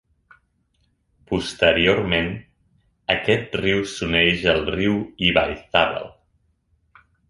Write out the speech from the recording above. Posteriorment, aquest riu s'uneix al riu Ibaizabal.